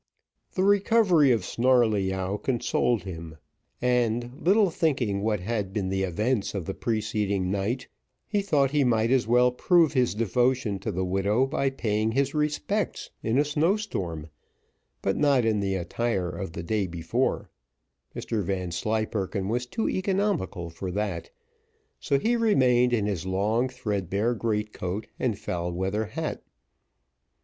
The recovery of Snarleyyow consoled him, and little thinking what had been the events of the preceding night, he thought he might as well prove his devotion to the widow, by paying his respects in a snow storm but not in the attire of the day before Mr Vanslyperken was too economical for that; so he remained in his long threadbare great coat and foul weather hat.